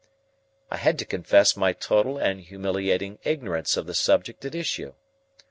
I had to confess my total and humiliating ignorance of the subject at issue.